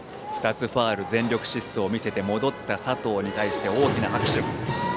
２つファウル全力疾走を見せて戻った佐藤に対して大きな拍手。